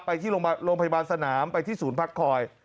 ไปที่โรงพยาบาลสนามไปที่ศูนย์พักคอย